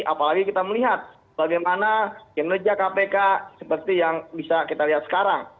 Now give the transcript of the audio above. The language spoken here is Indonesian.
apalagi kita melihat bagaimana kinerja kpk seperti yang bisa kita lihat sekarang